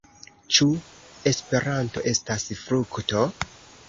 Ĉu Esperanto estas frukto?